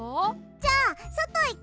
じゃあそといく！